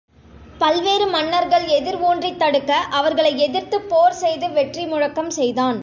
பல்வேறு மன்னர்கள் எதிர் ஊன்றித் தடுக்க அவர்களை எதிர்த்துப் போர் செய்து வெற்றி முழக்கம் செய்தான்.